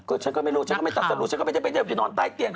ก็ฉันก็ไม่รู้ฉันก็ไม่ตัดสรุฉันก็ไม่ได้ไปนอนใต้เตียง